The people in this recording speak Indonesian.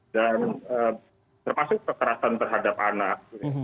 dan terpaksa keterasan terhadap anak